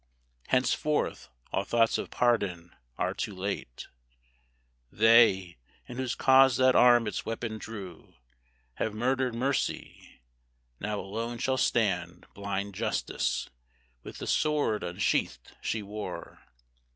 Henceforth all thoughts of pardon are too late; They, in whose cause that arm its weapon drew, Have murdered Mercy. Now alone shall stand Blind Justice, with the sword unsheathed she wore.